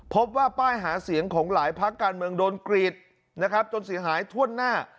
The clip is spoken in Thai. พบว่าป้ายหาเสียงของหลายภาคการเมืองโดนกรีดนะครับจนเสียหายถ้วนหน้า